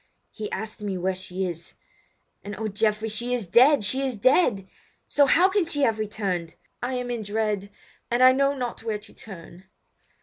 He asked me where she is—and oh, Geoffrey, she is dead, she is dead! So how can she have returned? Oh! I am in dread, and I know not where to turn!"